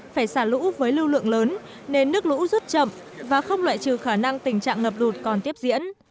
phải xả lũ với lưu lượng lớn nên nước lũ rất chậm và không loại trừ khả năng tình trạng ngập lụt còn tiếp diễn